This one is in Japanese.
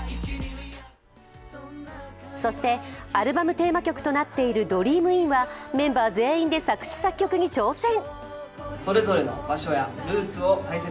そして、アルバムテーマ曲となっている「Ｄｒｅａｍｉｎ」はメンバー全員で作詞・作曲に挑戦。